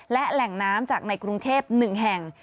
และแหล่งน้ำจากในกรุงเทพ๑แห่ง